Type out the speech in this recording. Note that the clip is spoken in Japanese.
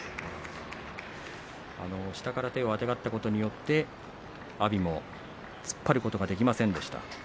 下から手をあてがったことによって阿炎も突っ張ることができませんでした。